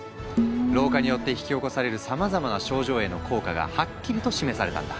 老化によって引き起こされるさまざまな症状への効果がはっきりと示されたんだ。